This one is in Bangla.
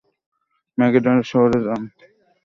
ম্যাগিডোর শহরে যান, সেখানে জ্যাযরিলে যাবেন।